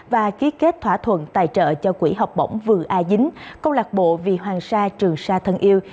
và ký kết thỏa thuận tài trợ cho quỹ học bổng vừa a dính công lạc bộ vì hoàng sa trường sa thân yêu